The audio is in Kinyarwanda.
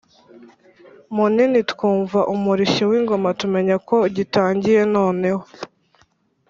munini twumva umurishyo w’ingoma tumenya ko gitangiye noneho.